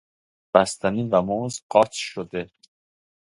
بستنی و موز قاچ شده